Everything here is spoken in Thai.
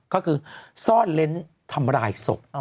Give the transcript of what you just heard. ก็คือซ่อนเล้นทำร้ายศพ